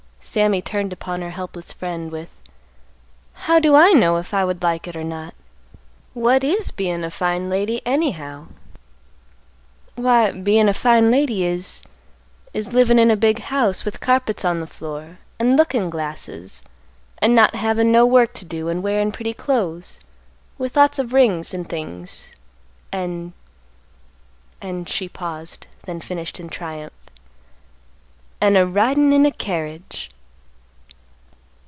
Sammy turned upon her helpless friend, with, "How do I know if I would like it or not? What is bein' a fine lady, anyhow?" "Why, bein' a fine lady is—is livin' in a big house with carpets on th' floor, an' lookin' glasses, an' not havin' no work t' do, an' wearin' pretty clothes, with lots of rings an' things, an'—an'," she paused; then finished in triumph, "an' a ridin' in a carriage."